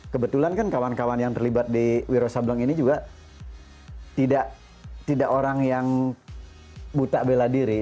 kebetulan kan kawan kawan yang terlibat di wiro sableng ini juga tidak orang yang buta bela diri